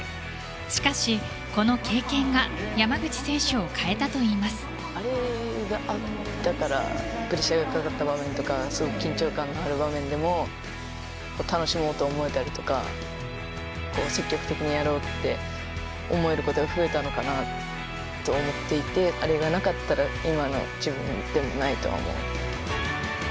しかし、この経験があれがあったからプレッシャーがかかった場面とか緊張感がある場面でも楽しもうと思えたりとか積極的にやろうって思えることが増えたのかなと思っていてあれがなかったら今の自分でもないと思うので。